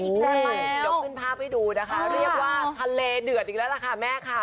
เพื่อยังขึ้นภาพให้ดูนะคะเรียกว่าทะเลเหลือดอีกแล้วนะคะแม่ขา